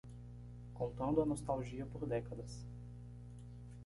Contando a nostalgia por décadas